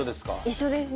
一緒です。